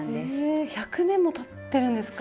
え１００年もたってるんですか？